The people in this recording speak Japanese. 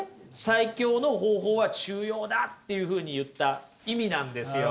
最強の方法は中庸だっていうふうに言った意味なんですよ。